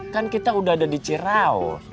kan kita udah ada di cirau